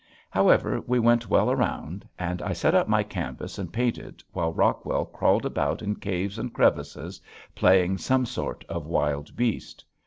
However we went well around and I set up my canvas and painted while Rockwell crawled about in caves and crevasses playing some sort of wild beast.